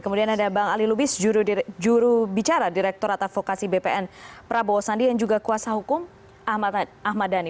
kemudian ada bang ali lubis juru bicara direktur advokasi bpn prabowo sandi yang juga kuasa hukum ahmad dhani